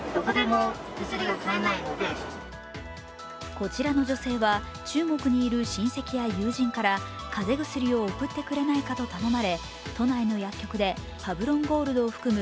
こちらの女性は中国にいる親戚や友人から風邪薬を送ってくれないかと頼まれ、都内の薬局でパブロンゴールドを含む